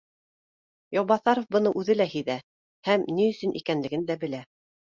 Яубаҫаров быны үҙе лә һиҙә һәм ни өсөн икәнлеген дә белә